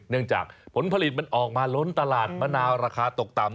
จากผลผลิตมันออกมาล้นตลาดมะนาวราคาตกต่ำ